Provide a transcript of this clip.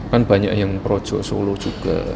kan banyak yang projo solo juga